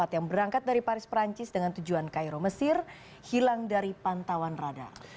yang berangkat dari paris perancis dengan tujuan cairo mesir hilang dari pantauan radar